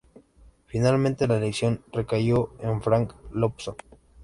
Finalmente la elección recayó en Frank Dobson.